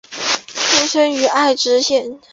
出身于爱知县。